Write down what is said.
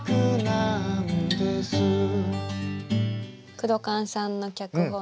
クドカンさんの脚本で。